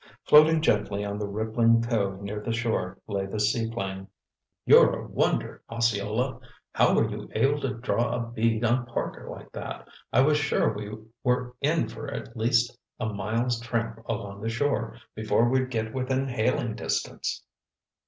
Floating gently on the rippling cove near the shore lay the seaplane. "You're a wonder, Osceola! How were you able to draw a bead on Parker like that? I was sure we were in for at least a mile's tramp along the shore before we'd get within hailing distance."